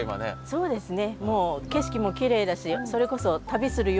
そうですね。